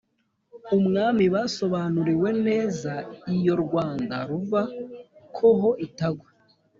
umwami basobanuriwe neza iyo rwanda ruva ko ho itagwa